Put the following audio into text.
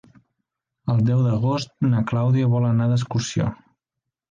El deu d'agost na Clàudia vol anar d'excursió.